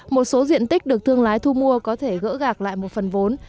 một số diện tích được thương lái thu mua có thể gỡ gạc lại một phần vốn